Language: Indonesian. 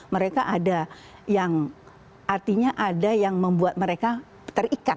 mereka ada yang artinya ada yang membuat mereka terikat